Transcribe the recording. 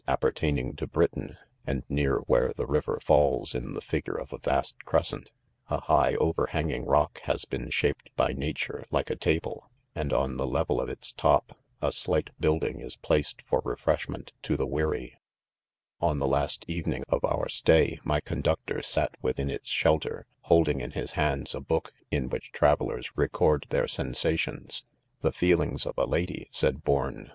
appertaining to Britain, and near where the river falls in the figure of a vast crescent, a high overhang ing rock has been shaped by nature like a ta ble, and on the level of its top, a slight build ing is_pl aced for refreshment to the weary.— On the last evening of our stay, my conductor sat within its shelter, holding in his hands a book in which travellers record their sensa tions. l The feelings of a lady, 5 said Bourn, m 194 jdomen. ■*"■'■'•.." @^$f^ '■■■■. f I :' i ■■■■■'■■■':■"■•.:''''■<■''!■